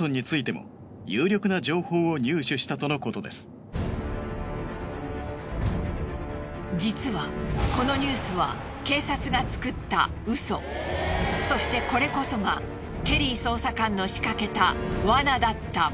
それは実はこのニュースはそしてこれこそがケリー捜査官の仕掛けた罠だった。